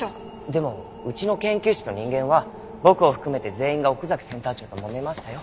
でもうちの研究室の人間は僕を含めて全員が奥崎センター長ともめましたよ。